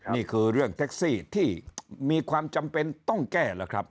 นี่คือเรื่องแท็กซี่ที่มีความจำเป็นต้องแก้แล้วครับ